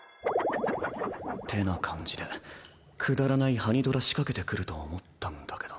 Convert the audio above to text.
ってな感じでくだらないハニトラ仕掛けてくると思ったんだけど。